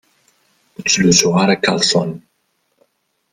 Ur ttluseɣ ara akalsun.